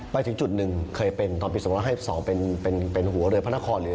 ไปถึงจุดหนึ่งเคยเป็นตอนปี๒๕๒เป็นหัวเรือพระนครหรือ